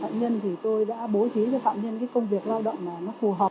phạm nhân thì tôi đã bố trí cho phạm nhân cái công việc lao động mà nó phù hợp